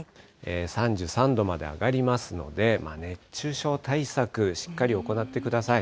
３３度まで上がりますので、熱中症対策、しっかり行ってください。